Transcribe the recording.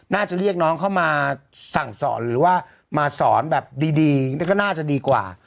เรียกน้องเข้ามาสั่งสอนหรือว่ามาสอนแบบดีก็น่าจะดีกว่า